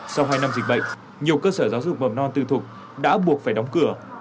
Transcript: sau hai năm dịch bệnh nhiều cơ sở giáo dục mầm non tư thục đã buộc phải đóng cửa